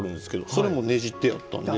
それもねじってあったんで。